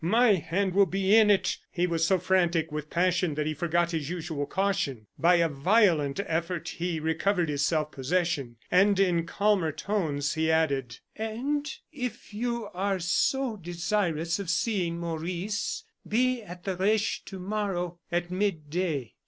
My hand will be in it." He was so frantic with passion that he forgot his usual caution. By a violent effort he recovered his self possession, and in calmer tones he added: "And if you are so desirous of seeing Maurice, be at the Reche to morrow at mid day.